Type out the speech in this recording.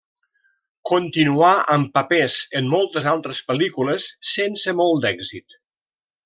Continuà amb papers en moltes altres pel·lícules sense molt d'èxit.